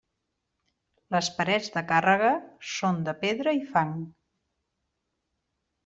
Les parets de càrrega són de pedra i fang.